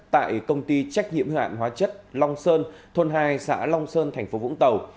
tại công ty trách nhiệm huyện hóa chất long sơn thôn hai xã long sơn tp vũng tàu